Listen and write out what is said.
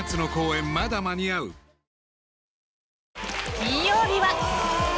金曜日は。